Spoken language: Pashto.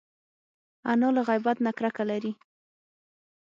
انا له غیبت نه کرکه لري